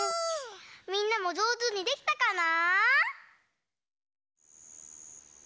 みんなもじょうずにできたかな？